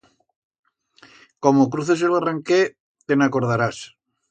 Como cruces el barranquet te'n acordarás.